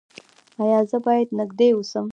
ایا زه باید نږدې اوسم؟